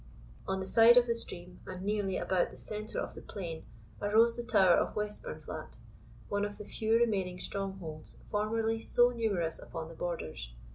On the side of the stream, and nearly about the centre of the plain, arose the tower of Westburnflat, one of the few remaining strongholds formerly so numerous upon the Borders.